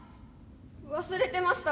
忘れてました。